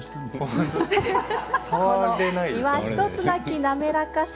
このしわ一つなきなめらかさ。